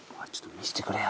見せてくれよ。